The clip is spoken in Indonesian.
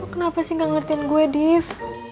kenapa sih gak ngerti gue div